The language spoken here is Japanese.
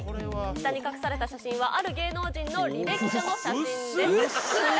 下に隠された写真はある芸能人の履歴書の写真です。